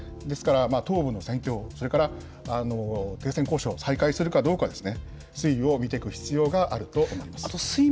ですから東部の戦況、それから停戦交渉を再開するかどうか、推移を見ていく必要があると思います。